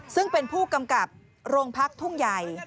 ซึ่งเป็นผู้กำกับโรงพักทุ่งใหญ่